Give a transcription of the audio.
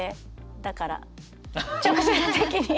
だから直接的に。